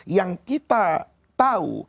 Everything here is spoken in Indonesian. yang kita tahu